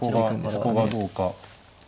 そこがどうか。